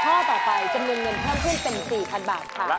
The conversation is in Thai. ข้อต่อไปจำนวนเงินเพิ่มขึ้นเป็น๔๐๐๐บาทค่ะ